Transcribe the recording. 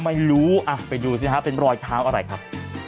ไม่รู้ไปดูซินะครับเป็นรอยเท้าอะไรครับ